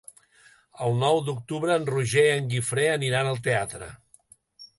El nou d'octubre en Roger i en Guifré aniran al teatre.